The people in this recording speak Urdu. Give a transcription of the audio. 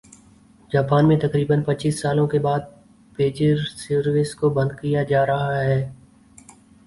جاپان میں تقریبا ًپچيس سالوں کے بعد پیجر سروس کو بند کیا جا رہا ہے